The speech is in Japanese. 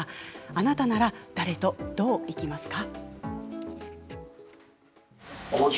あなたなら誰とどう生きますか。